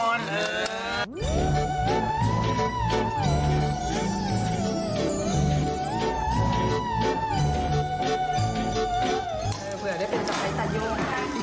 เวลาได้เป็นจังแล้วตาโย่ง